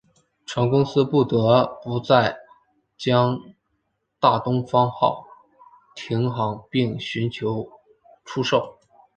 船公司不得不在将大东方号停航并寻求出售。